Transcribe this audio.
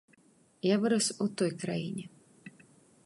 Я вырас у той краіне.